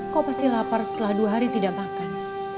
kau pasti lapar setelah dua hari tidak makan